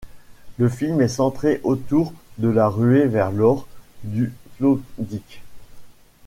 Le film est centré autour de la ruée vers l'or du Klondike.